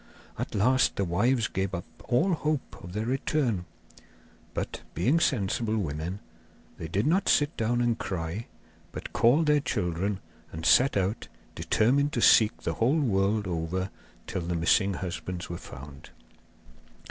At last the wives gave up all hope of their return; but, being sensible women, they did not sit down and cry, but called their children, and set out, determined to seek the whole world over till the missing husbands were found.